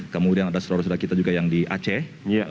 kemudian ada saudara saudara kita juga yang di aceh